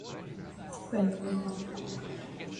It is situated on the North Sea shore, in East Frisia.